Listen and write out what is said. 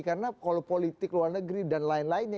karena kalau politik luar negeri dan lain lainnya